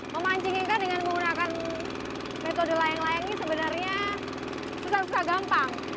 memancing ikan dengan menggunakan metode layang layang ini sebenarnya susah susah gampang